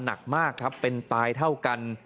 หนักมากครับเป็นตายเท่ากัน